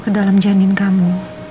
ke dalam janin kamu